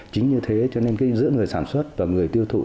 chính như thế cho nên giữa người sản xuất và người tiêu thụ